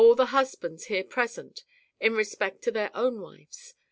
the husbands here present in respect to their own wives.